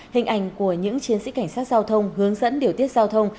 hình ảnh của những chiến sĩ cảnh sát giao thông hướng dẫn điều tiết giao thông